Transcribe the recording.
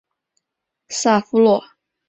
萨夫洛。